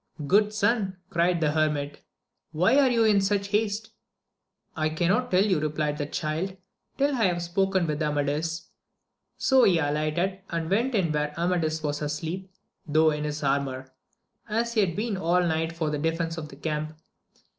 Good son, cried the hermit, AMADIS OF GAUL. 221 why are you in such haste 1 I cannot stay to tell you, replied the child, till I have spoken with Amadis ; so he alighted, and went in where Amadis was asleep, though in his armour, as he had been all night for the defence of the camp.